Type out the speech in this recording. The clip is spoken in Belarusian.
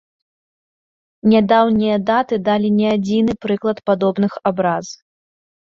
Нядаўнія даты далі не адзіны прыклад падобных абраз.